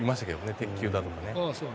鉄球だとかね。